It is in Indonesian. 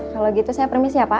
kalau begitu saya permisi ya pak